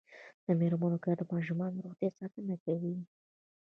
د میرمنو کار د ماشومانو روغتیا ساتنه کوي.